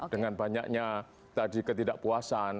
dengan banyaknya tadi ketidakpuasan